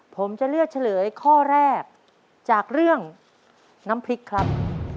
ผมจะเลือกเฉลยข้อแรกจากเรื่องน้ำพริกครับ